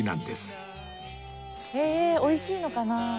へえ美味しいのかなあ？